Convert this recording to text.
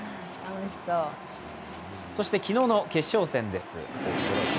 そして、昨日の決勝戦です。